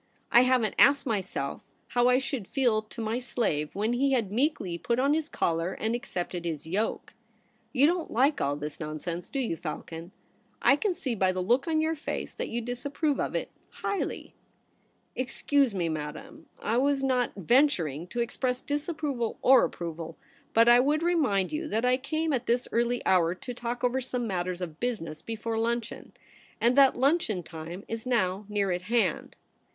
I haven't asked myself how I should feel to my slave when he had meekly put on his collar and accepted his yoke. You don't like all this nonsense, do you, Falcon ? I can see by the look on your face that you disapprove of it highly !'* Excuse me, Madame. I was not ventur ing to express disapproval or approval ; but I would remind you that I came at this early hour to talk over some matters of business before luncheon — and that luncheon time is now near at hand.'